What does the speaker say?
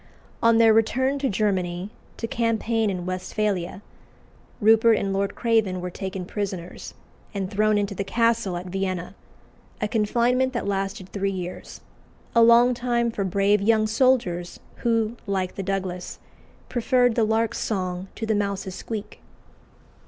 On their return to Germany, to campaign in Westphalia, Rupert and Lord Craven were taken prisoners and thrown into the castle at Vienna a confinement that lasted three years, a long time for brave young soldiers who, like the Douglas, "preferred the lark's song to the mouse's squeak."